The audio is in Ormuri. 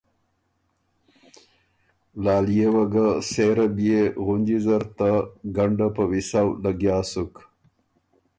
لالئے وه ګه سېره بيې غُنجی زر نه ګنډه په ویسؤ لګیا سُک